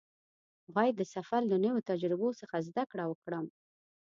باید د سفر له نویو تجربو څخه زده کړه وکړم.